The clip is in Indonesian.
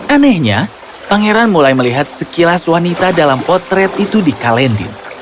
anehnya pangeran mulai melihat sekilas wanita dalam potret itu di kalendin